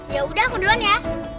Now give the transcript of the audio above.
yaudah aku duluan ya